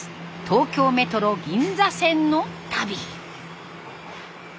東京メトロ銀座線の旅。